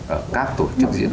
ở các tổ chức diễn đàn